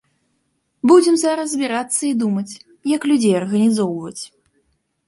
Будзем зараз збірацца і думаць, як людзей арганізоўваць.